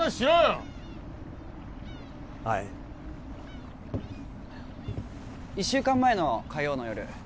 はい１週間前の火曜の夜